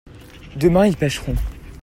demain ils pêcheront.